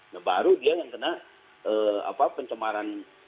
nah baru dia yang kena pencemaran